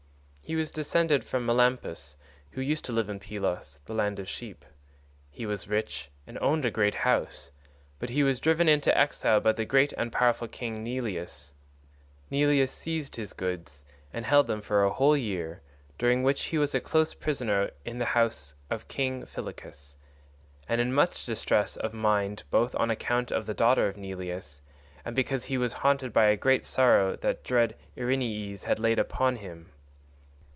He was descended from Melampus, who used to live in Pylos, the land of sheep; he was rich and owned a great house, but he was driven into exile by the great and powerful king Neleus. Neleus seized his goods and held them for a whole year, during which he was a close prisoner in the house of king Phylacus, and in much distress of mind both on account of the daughter of Neleus and because he was haunted by a great sorrow that dread Erinys had laid upon him.